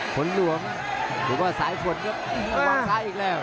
ผลหลวมหรือว่าซ้ายฝนกำลังวางซ้ายอีกแล้ว